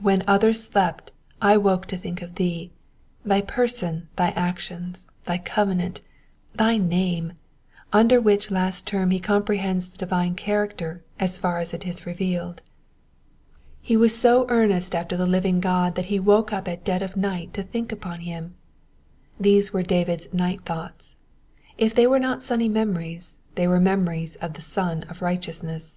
''^ When others slept I woke to think of thee, thy person, thy actions, thy covenant, thy name, under which last term he comprehends the divine character as far as it is Digitized by VjOOQIC PSALM 0KB HUKDEBD AND NIKBTEEN" — VERSES 49 TO 56. 133 revealed. He was bo earnest after the living God that he woke up at dead of night to think upon him. These were David's Night Thoughts. If they were not Sunny Memories they were memories of the Sun of Righteousness.